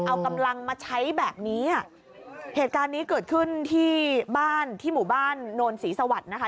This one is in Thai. เอากำลังมาใช้แบบนี้อ่ะเหตุการณ์นี้เกิดขึ้นที่บ้านที่หมู่บ้านโนนศรีสวัสดิ์นะคะ